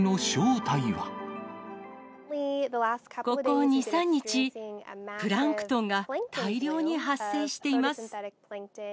ここ２、３日、プランクトンが大量に発生しています。